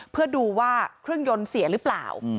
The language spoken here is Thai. เพื่อดูว่าเครื่องยนต์เสียหรือเปล่า